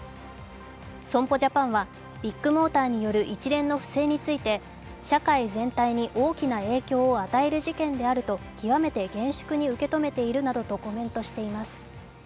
損保ジャパンはビッグモーターによる一連の不正について社会全体に大きな影響を与える事件であると極めて厳粛に受け止めているなどとコメントしています。